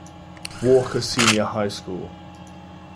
Walker Senior High School.